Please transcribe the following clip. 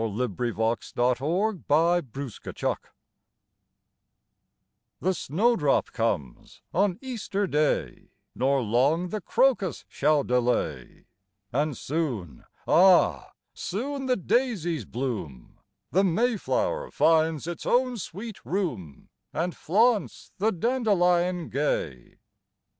EASTER CAROLS 17 THE SNOWDROP COMES / T V HE snowdrop comes on Easter Day, * Nor long the crocus shall delay ; And soon, ah ! soon the daisies bloom, The Mayflower finds its own sweet room, And flaunts the dandelion gay.